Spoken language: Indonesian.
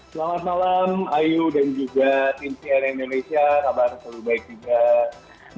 selamat malam ayu dan juga tim cnn indonesia kabar selalu baik juga